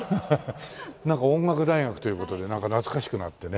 なんか音楽大学という事でなんか懐かしくなってね。